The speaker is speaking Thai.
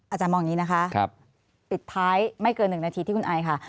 อาจารย์มองนี้นะคะปัดท้ายไม่เกินหนึ่งนาทีที่คุณอายค่ะ